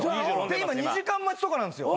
で今２時間待ちとかなんですよ。